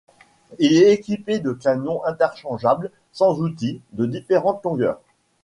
Il est équipé de canons interchangeables, sans outils, de différentes longueurs.